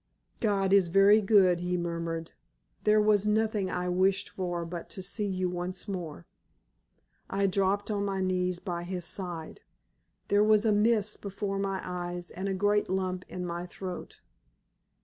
"God is very good," he murmured. "There was nothing I wished for but to see you once more." I dropped on my knees by his side. There was a mist before my eyes and a great lump in my throat.